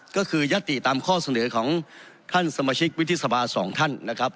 ก็คือยัตติตามข้อเสนอของท่านสมาชิกวิทยาบาสองท่านนะครับ